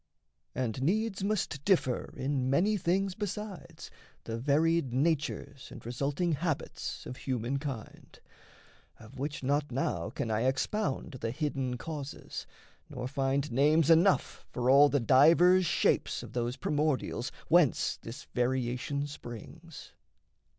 And needs must differ in many things besides The varied natures and resulting habits Of humankind of which not now can I Expound the hidden causes, nor find names Enough for all the divers shapes of those Primordials whence this variation springs.